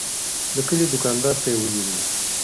د کلي دوکاندار ته یې ویلي و.